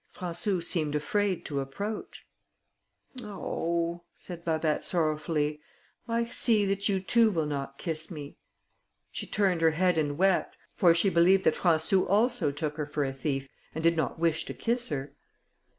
Françou seemed afraid to approach. "Oh!" said Babet sorrowfully, "I see that you too will not kiss me." She turned her head and wept, for she believed that Françou also took her for a thief, and did not wish to kiss her.